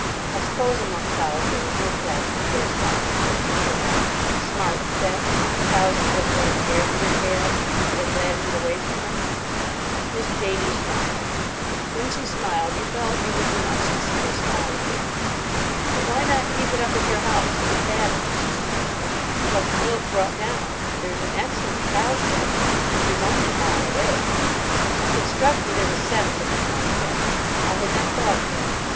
I suppose among cows there is no class that corresponds to what we term our 'Smart Set'—cows that don't really care for their calves, that are glad to get away from them?" Miss Janie smiled. When she smiled, you felt you would do much to see her smile again. "But why not keep it up at your house, in the paddock," she suggested, "and have the milk brought down? There is an excellent cowshed, and it is only a mile away." It struck me there was sense in this idea. I had not thought of that.